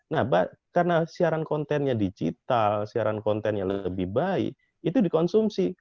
nah karena siaran kontennya digital siaran konten yang lebih baik itu dikonsumsi